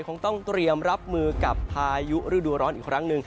คงต้องเตรียมรับมือกับพายุฤดูร้อนอีกครั้งหนึ่ง